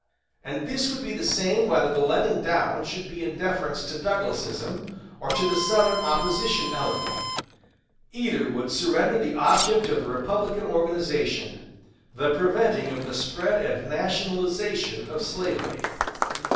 And this would be the same whether the letting down should be in deference to Douglasism, or to the Southern opposition element; either would surrender the object of the Republican organization the preventing of the spread and nationalization of slavery....